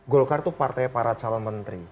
golkar itu partai para calon menteri